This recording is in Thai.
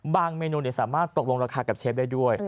เมนูสามารถตกลงราคากับเชฟได้ด้วย